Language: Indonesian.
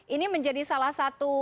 ini menjadi salah satu